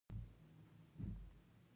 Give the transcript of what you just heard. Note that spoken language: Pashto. دلته کیدای شي ایرانی تاثیر وي.